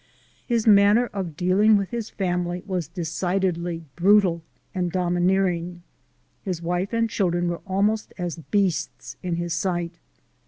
His manner of dealing with his family was decid edly brutal and domineering. His wife and children were almost as beasts in his sight.